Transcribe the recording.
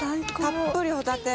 たっぷりホタテ。